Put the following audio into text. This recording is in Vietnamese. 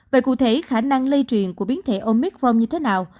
vậy cụ thể khả năng lây truyền của biến thể omicron như thế nào